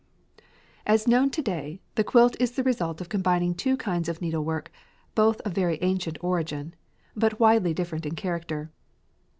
As known to day, the quilt is the result of combining two kinds of needlework, both of very ancient origin, but widely different in character.